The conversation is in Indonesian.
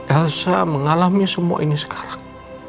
elsa mengalami semua ini sekarang